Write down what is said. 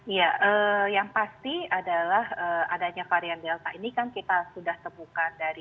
ya yang pasti adalah adanya varian delta ini kan kita sudah temukan dari tiga ratus lima